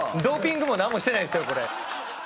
ドーピングもなんもしてないですよこれ。